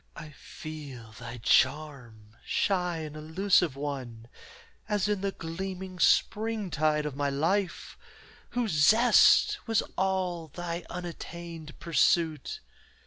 I feel thy charm, shy and elusive one, As in the gleaming springtide of my life, Whose zest was all thy unattained pursuit.